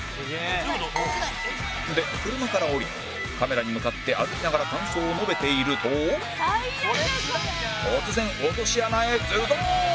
で車から降りカメラに向かって歩きながら感想を述べていると突然落とし穴へズドン！